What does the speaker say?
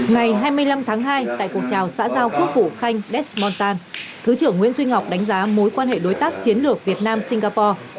ngày hai mươi năm tháng hai tại cuộc chào xã giao quốc vụ khanh desmontan thứ trưởng nguyễn duy ngọc đánh giá mối quan hệ đối tác chiến lược việt nam singapore